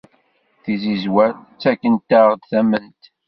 Tizizwa ttakent-aɣ-d tament.